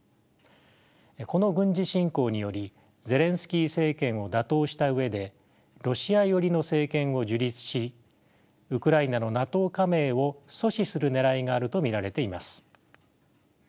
この軍事侵攻によりゼレンスキー政権を打倒した上でロシア寄りの政権を樹立しウクライナのＮＡＴＯ加盟を阻止するねらいがあると見られています。